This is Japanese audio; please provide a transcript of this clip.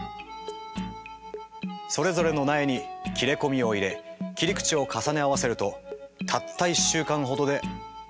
それぞれの苗に切れ込みを入れ切り口を重ね合わせるとたった１週間ほどで。